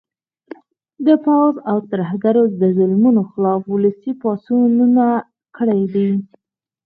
د پوځ او ترهګرو د ظلمونو خلاف ولسي پاڅونونه کړي دي